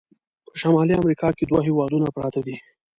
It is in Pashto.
په شمالي امریکا کې دوه هیوادونه پراته دي.